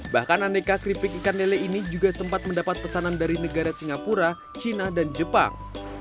bahkan aneka keripik ikan lele ini juga sempat mendapat pesanan dari negara singapura cina dan jepang